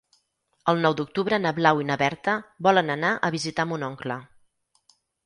El nou d'octubre na Blau i na Berta volen anar a visitar mon oncle.